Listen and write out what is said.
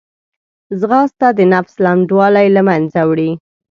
ځغاسته د نفس لنډوالی له منځه وړي